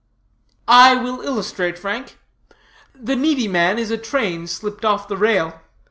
"I will illustrate, Frank, The needy man is a train slipped off the rail.